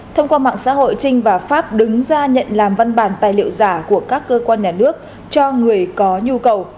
thông qua mạng xã hội trinh và pháp đứng ra nhận làm văn bản tài liệu giả của các cơ quan nhà nước cho người có nhu cầu